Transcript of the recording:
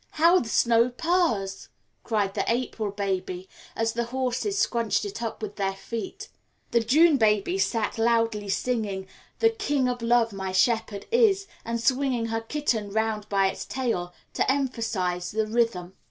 "How the snow purrs!" cried the April baby, as the horses scrunched it up with their feet. The June baby sat loudly singing "The King of Love my Shepherd is," and swinging her kitten round by its tail to emphasise the rhythm.